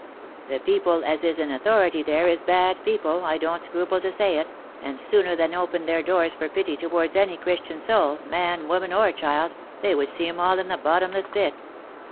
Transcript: The people as is in authority there is bad people, I don't scruple to say it, and sooner than open their doors for pity towards any Christian soul, man, woman, or child, they would see 'em all in the bottomless pit.